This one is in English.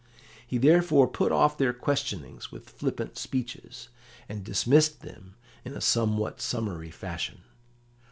He therefore put off their questionings with flippant speeches, and dismissed them in a somewhat summary fashion.